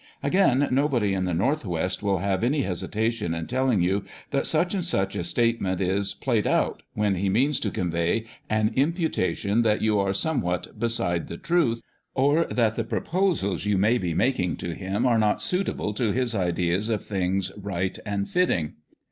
Again, nobody in the North West will have any hesitation in telling you that such and such a statement is "played out" when he means to convey an imputation that you are somewhat beside the truth, or that the proposals you may be making to him are not suitable to his ideas of things right and fitting.